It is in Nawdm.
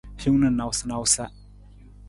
Hiwung na nawusanawusa.